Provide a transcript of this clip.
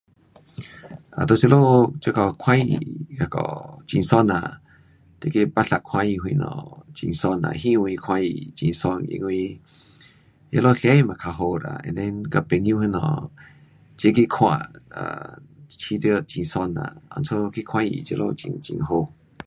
啊在这里看戏那个很爽啦，你去芭莎看戏什么很爽呐，戏院看戏很爽，因为那里声音也较好啦，then 跟朋友什么齐去看，啊，觉得很爽啦，因此去看戏，这里很，很好。